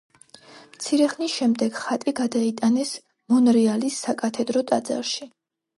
მცირე ხნის შემდეგ ხატი გადაიტანეს მონრეალის საკათედრო ტაძარში.